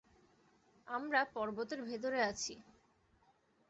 আমরা পর্বতের ভেতরে আছি।